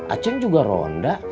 acing juga ronda